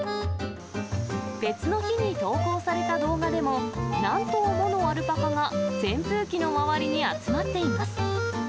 別の日に投稿された動画でも、何頭ものアルパカが扇風機の周りに集まっています。